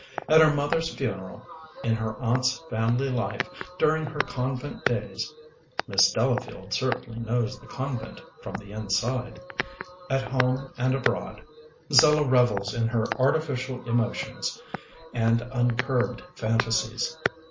At her mother's funeral, in her aunt's family life, during her convent days (Miss Delafield certainly knows the convent from the in side), at' home and abroad, Zella revels in her artificial emotions and uncurbed phantasies.